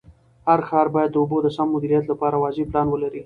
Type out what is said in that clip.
هر ښار باید د اوبو د سم مدیریت لپاره واضح پلان ولري.